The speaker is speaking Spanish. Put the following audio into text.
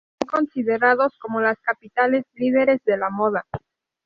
Son considerados como las capitales líderes de la moda.